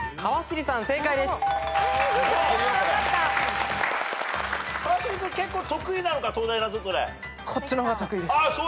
川尻君結構得意なのか。